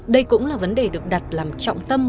đây cũng là vấn đề được đặt làm trọng tâm